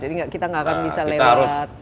jadi kita ga akan bisa lewat di bawah laut